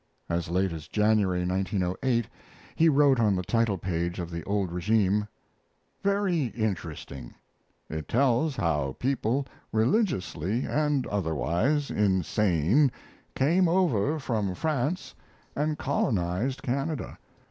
As late as January, 1908, he wrote on the title page of the Old Regime: Very interesting. It tells how people religiously and otherwise insane came over from France and colonized Canada.